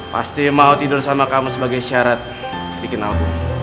pasti mau tidur sama kamu sebagai syarat bikin album